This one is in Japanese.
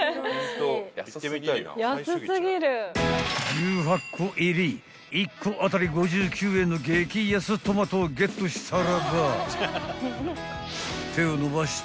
［１８個入り１個当たり５９円の激安トマトをゲットしたらば］